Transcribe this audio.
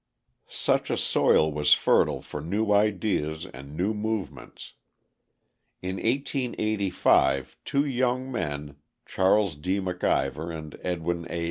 Such a soil was fertile for new ideas and new movements. In 1885 two young men, Charles D. McIver and Edwin A.